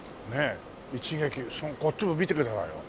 こっちも見てくださいよ。